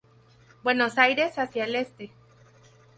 Buenos Aires hacia el Este.